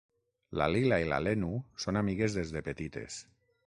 La Lila i la Lenu són amigues des de petites.